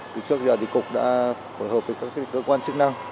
từ trước giờ thì cục đã phối hợp với các cơ quan chức năng